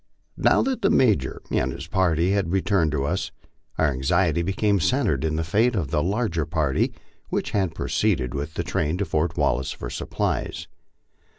Now that the Major and his party had returned to us, our anxiety became centred in the fate of the larger party which had proceeded with the train ta Fort Wallace for supplies.